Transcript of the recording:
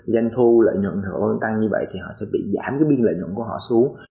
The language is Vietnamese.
doanh thu lợi nhuận họ tăng như vậy thì họ sẽ bị giảm cái biên lợi nhuận của họ xuống